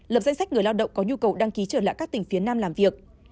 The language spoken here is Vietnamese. lập danh sách người lao động có nhu cầu đăng ký trở lại các tỉnh phía nam làm việc